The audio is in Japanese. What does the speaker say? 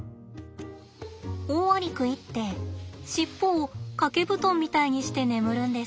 オオアリクイって尻尾を掛け布団みたいにして眠るんです。